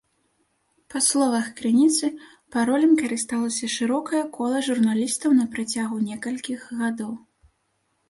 Па словах крыніцы, паролем карысталася шырокае кола журналістаў на працягу некалькіх гадоў.